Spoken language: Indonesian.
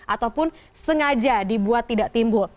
ataupun sengaja dibuat tidak timbul